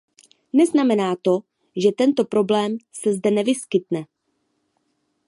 Neznamená to, že tento problém se zde nevyskytne.